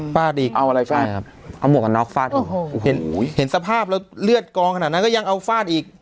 อีกเอาอะไรฟาดใช่ครับเอาหมวกกันน็ดอีกเห็นสภาพแล้วเลือดกองขนาดนั้นก็ยังเอาฟาดอีก